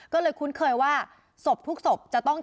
ก็เลยคุ้นเคยว่าสภาพทุกสภาพเติบแข็งตัว